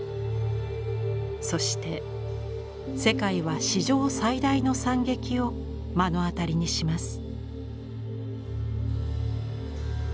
そして世界は史上最大の惨劇を目の当たりにします。